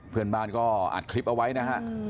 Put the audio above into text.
เพื่อนบ้านก็อัดคลิปเอาไว้นะฮะ